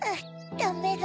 ダメだ。